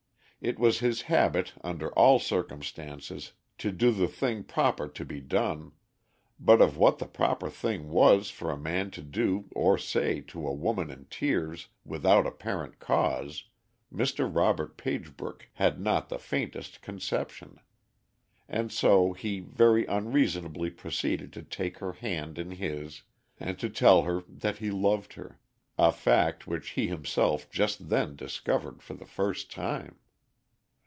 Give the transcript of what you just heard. It was his habit, under all circumstances, to do the thing proper to be done, but of what the proper thing was for a man to do or say to a woman in tears without apparent cause, Mr. Robert Pagebrook had not the faintest conception, and so he very unreasonably proceeded to take her hand in his and to tell her that he loved her, a fact which he himself just then discovered for the first time.